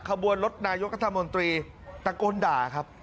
ขบวนรถนายกรัฐมนตรีตะโกนด่าครับ